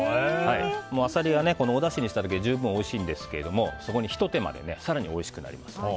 アサリはおだしにしただけでも十分おいしいんですがそこに、ひと手間で更においしくなります。